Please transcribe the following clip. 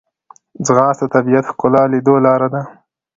ځغاسته د طبیعت ښکلا لیدو لاره ده